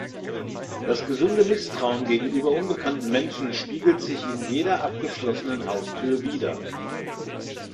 Das gesunde Misstrauen gegenüber unbekannten Menschen spiegelt sich in jeder abgeschlossenen Haustür wider.